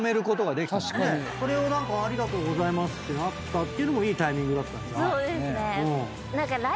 それありがとうございますってなったっていうのもいいタイミングだったんじゃない。